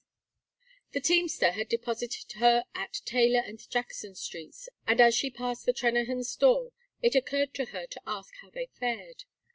XII The teamster had deposited her at Taylor and Jackson streets, and as she passed the Trennahans' door it occurred to her to ask how they fared.